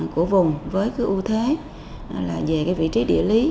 cùng với ưu thế về vị trí địa lý